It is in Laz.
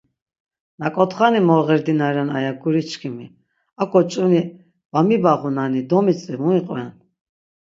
Nak̆otxani moğerdina ren aya guri çkimi, ak̆o ç̌vini va mibağunani, domitzvi muiqven?